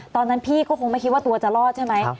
ตอนนั้นพี่ก็คงไม่คิดว่าตัวจะรอดใช่ไหม